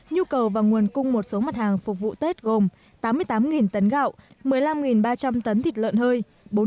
nhu cầu và nguồn cung một số mặt hàng phục vụ tết gồm tám mươi tám tấn gạo một mươi năm ba trăm linh tấn thịt lợn hơi